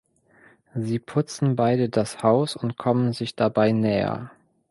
Sie putzen beide das Haus und kommen sich dabei näher.